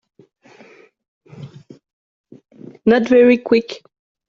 Not very Quick